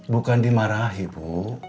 bukan dimarahi bu